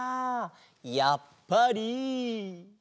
やっぱり？